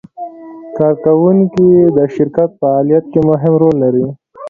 کارکوونکي د شرکت په فعالیت کې مهم رول لري.